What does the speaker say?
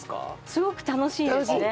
すごく楽しいですね。